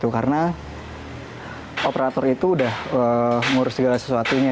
karena operator itu udah ngurus segala sesuatunya